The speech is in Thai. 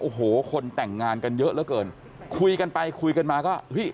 โอ้โหคนแต่งงานกันเยอะเหลือเกินคุยกันไปคุยกันมาก็เฮ้ย